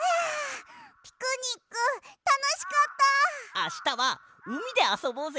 あしたはうみであそぼうぜ。